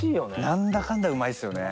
なんだかんだうまいっすよね。